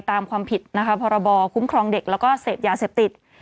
ตามความผิดนะคะพรบคุ้มครองเด็กแล้วก็เสพยาเสพติด